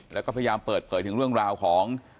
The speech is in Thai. แล้วก็พยายามเปิดเผยถึงเรื่องราวของ